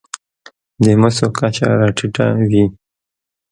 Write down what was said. د مسو کچه راټېته وي.